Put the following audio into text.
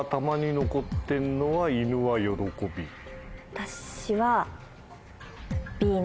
私は。